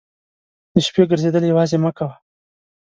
د شپې ګرځېدل یوازې مه کوه.